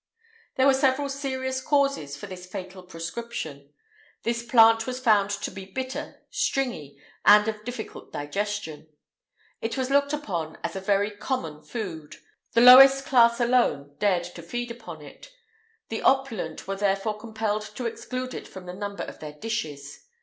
There were several serious causes for this fatal proscription: this plant was found to be bitter, stringy, and of difficult digestion;[IX 173] it was looked upon as a very common food;[IX 174] the lowest class alone dared to feed upon it; the opulent were therefore compelled to exclude it from the number of their dishes.